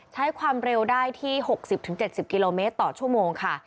ใช้ความเร็วได้ที่๖๐๗๐กิโลเมตรต่อชั่วโมงค่ะ